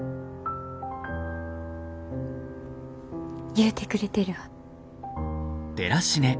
言うてくれてるわ。